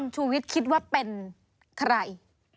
ชูวิทย์คิดว่าเป็นใคร